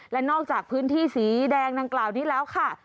และนอกจากพื้นที่สีแดงดังกล่าวนี้แล้วค่ะ